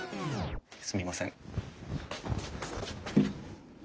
すみません。